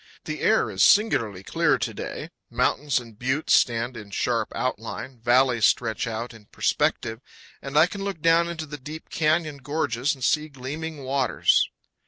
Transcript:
The air is singularly clear to day; mountains and buttes stand in sharp outline, valleys stretch out in perspective, and I can look down into the deep canyon gorges and see gleaming waters.